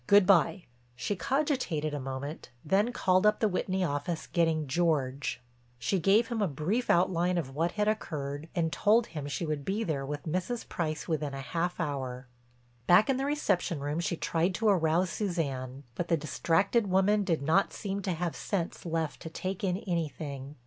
Good by." She cogitated a moment, then called up the Whitney office getting George. She gave him a brief outline of what had occurred and told him she would be there with Mrs. Price within a half hour. Back in the reception room she tried to arouse Suzanne, but the distracted woman did not seem to have sense left to take in anything.